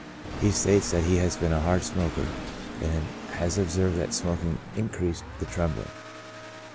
He states that he has been a hard smoker, and has observed that smoking increased the trembling.